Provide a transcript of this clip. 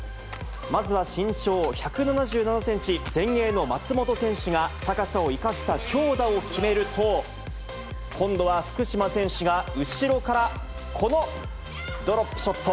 まずは身長１７７センチ、前衛の松本選手が高さを生かした強打を決めると、今度は福島選手が後ろからこのドロップショット。